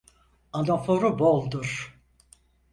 Anaforu boldur.